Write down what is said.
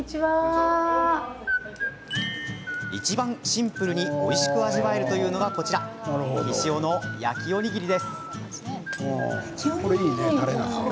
いちばんシンプルにおいしく味わえるというのがこちら、ひしおの焼きおにぎり。